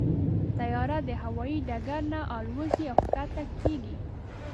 طیاره د هوايي ډګر نه الوزي او کښته کېږي.